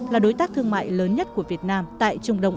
là đối tác thương mại lớn nhất của việt nam tại trung đông